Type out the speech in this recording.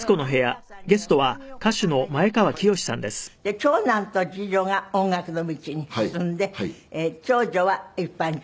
長男と次女が音楽の道に進んで長女は一般人？